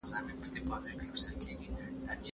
مسافري سخته ده.